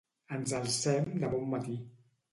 Ens alcem de bon matí.